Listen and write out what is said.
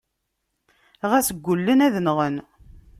Ɣas gullen ad nɣen.